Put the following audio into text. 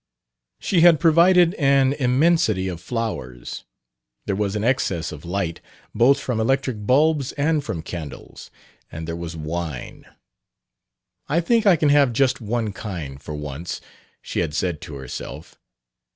She had provided an immensity of flowers. There was an excess of light, both from electric bulbs and from candles. And there was wine. "I think I can have just one kind, for once," she had said to herself.